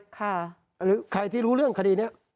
ใครที่รู้เรื่องคดีนี้